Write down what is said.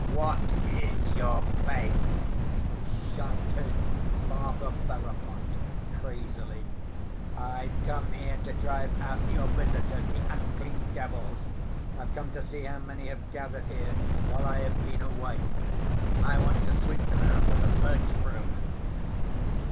What is your faith?" shouted Father Ferapont crazily. "I've come here to drive out your visitors, the unclean devils. I've come to see how many have gathered here while I have been away. I want to sweep them out with a birch broom."